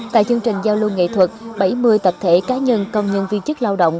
tại chương trình giao lưu nghệ thuật bảy mươi tập thể cá nhân công nhân viên chức lao động